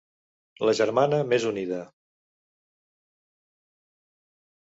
La germana més unida.